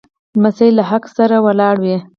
لمسی له حق سره ولاړ وي.